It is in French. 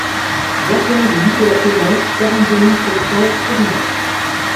vingt et un rue Nicolas Perrin, quarante-deux mille sept cents Firminy